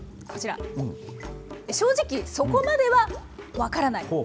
こちら、正直、そこまでは分からない。